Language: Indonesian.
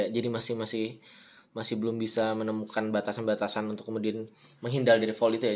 jadi masih belum bisa menemukan batasan batasan untuk kemudian menghindar dari fall itu ya